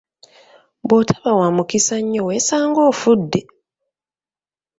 Bw'otaba wa mukisa nnyo weesanga ofudde!